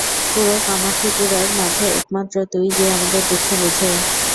পুরো কামাঠিপুরার মাঝে একমাত্র তুই যে আমাদের দুঃখ বুঝে।